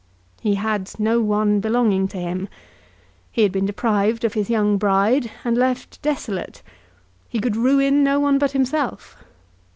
He had no one belonging to him. He had been deprived of his young bride, and left desolate. He could ruin no one but himself.